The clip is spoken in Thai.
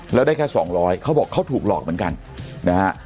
แล้วได้แค่สองร้อยเขาบอกเขาถูกหลอกเหมือนกันนะฮะ